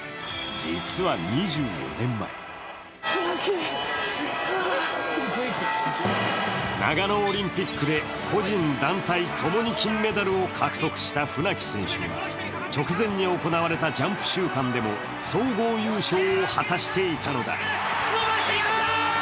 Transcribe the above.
実は２４年前長野オリンピックで個人・団体とも金メダルを獲得した船木選手は、直前に行われたジャンプ週間でも総合優勝を果たしていたのだ。